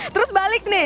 terus balik nih